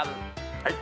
はい。